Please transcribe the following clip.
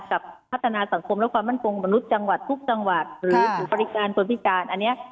คุณก็ได้รับเบี้ยอย่างพี่คนพิการเลย